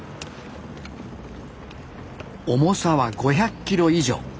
重さは５００キロ以上。